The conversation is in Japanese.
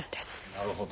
なるほど。